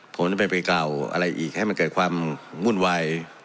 ผมจะไปกล่าวอะไรอีกให้มันเกิดความวุ่นวาย